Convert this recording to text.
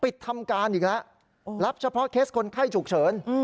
ทำการอีกแล้วรับเฉพาะเคสคนไข้ฉุกเฉิน